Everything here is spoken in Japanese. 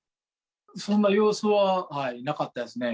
そんな様子はなかったですね。